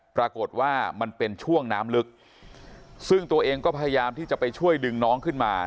ปรากฏว่ามันเป็นช่วงน้ำลึกซึ่งตัวเองก็พยายามที่จะไปช่วยดึงน้องขึ้นมา